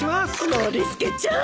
ノリスケちゃん。